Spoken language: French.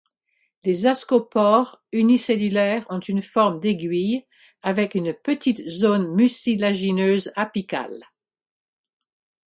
Les ascospores, unicellulaires ont une forme d'aiguille, avec une petite zone mucilagineuse apicale.